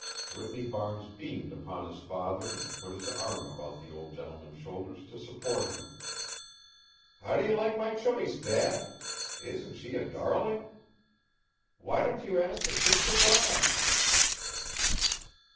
Whitney Barnes beamed upon his father and put his arm about the old gentleman's shoulders to support him. "How do you like my choice, dad? isn't she a darling? Why don't you ask to kiss the bride?"